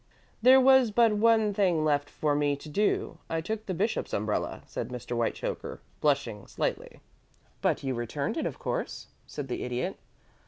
"There was but one thing left for me to do. I took the bishop's umbrella," said Mr. Whitechoker, blushing slightly. "But you returned it, of course?" said the Idiot.